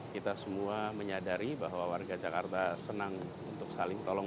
kita semua menyadari bahwa warga jakarta senang untuk saling tolong